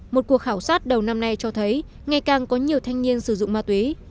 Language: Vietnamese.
một cuộc khảo sát đầu năm nay cho thấy ngày càng có nhiều thanh niên sử dụng ma túy